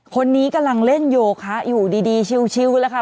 คนนี้กำลังเล่นโยคะอยู่ดีชิวแล้วค่ะ